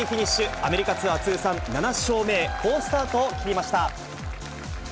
アメリカツアー通算７勝目へ、好スタートを切りました。